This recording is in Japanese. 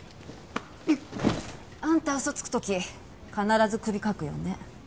あんた嘘つく時必ず首かくよね？